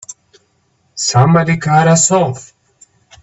Somebody cut us off!